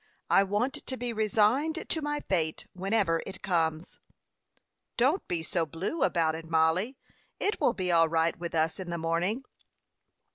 I want to be resigned to my fate whenever it comes." "Don't be so blue about it, Mollie. It will be all right with us in the morning."